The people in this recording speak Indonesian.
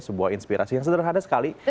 sebuah inspirasi yang sederhana sekali